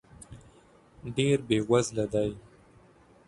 ډېر بې وزله دی .